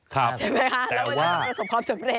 ครับใช่ไหมคะแล้วมันก็จะเป็นความสำเร็จ